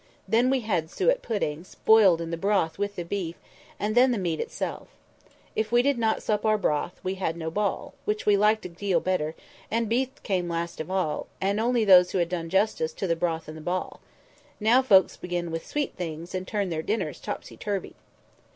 Then we had suet puddings, boiled in the broth with the beef: and then the meat itself. If we did not sup our broth, we had no ball, which we liked a deal better; and the beef came last of all, and only those had it who had done justice to the broth and the ball. Now folks begin with sweet things, and turn their dinners topsy turvy."